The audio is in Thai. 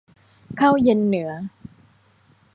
ข้าวเย็นเหนือ